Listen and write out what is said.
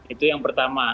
itu yang pertama